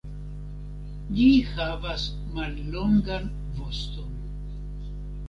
Ĝi havas mallongan voston.